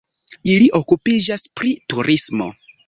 Ili okupiĝas pri turismo.